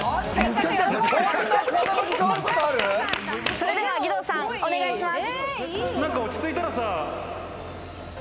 それでは義堂さん、お願いします。